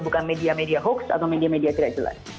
bukan media media hoax atau media media tidak jelas